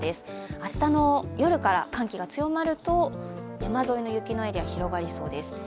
明日の夜から寒気が強まると山沿いの雪のエリア、広がりそうです。